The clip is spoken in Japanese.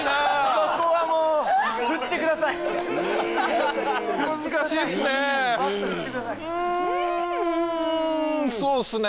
そこはもうふってくださいそうっすね